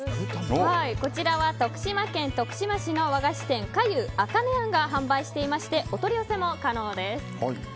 こちらは徳島県徳島市の和菓子店菓游茜庵が販売していましてお取り寄せも可能です。